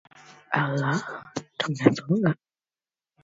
It is in Yellow Creek Township, Columbiana County, Ohio.